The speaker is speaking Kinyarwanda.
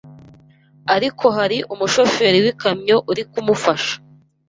ariko hari umushoferi w’ikamyo uri kumufasha